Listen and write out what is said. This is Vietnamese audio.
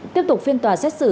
tiếp tục phiên tòa xét xử